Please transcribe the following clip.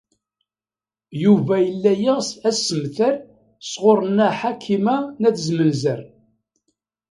Yuba yella yeɣs assemter sɣur Nna Ḥakima n At Zmenzer.